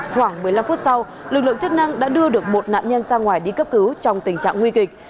khoảng một mươi năm phút sau lực lượng chức năng đã đưa được một nạn nhân ra ngoài đi cấp cứu trong tình trạng nguy kịch